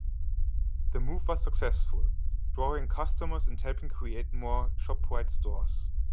The move was successful, drawing customers and helping create more Shoprite stores.